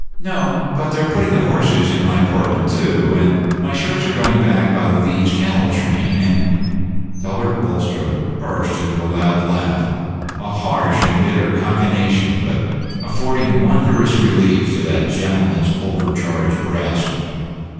"No; but they're putting the horses in my portmanteau, and my shirts are going by the Leeds cattle train, and " Talbot Bulstrode burst into a loud laugh, a Page 31 harsh and bitter cachinnation, but affording wondrous relief to that gentleman's over charged breast.